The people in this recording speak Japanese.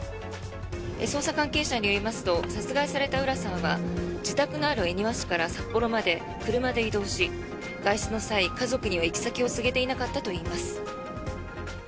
捜査関係者によりますと殺害された浦さんは自宅のある恵庭市から札幌まで車で移動し外出の際、家族には行き先を告げていなかったといいます。